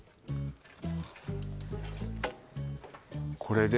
これで？